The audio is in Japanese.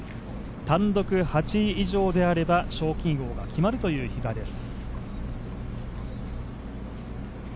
単独８位以上であれば賞金王が決まるという比嘉です。